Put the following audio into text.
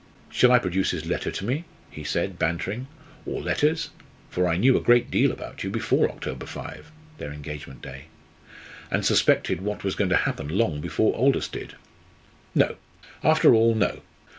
"Shall I produce his letter to me?" he said, bantering "or letters? For I knew a great deal about you before October 5" (their engagement day), "and suspected what was going to happen long before Aldous did. No; after all, no!